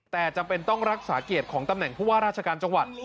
แต่จำเป็นต้องรักษาเกียรติของตำแหน่งผู้ว่าราชการจังหวัด